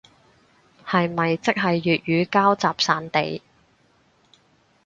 係咪即係粵語膠集散地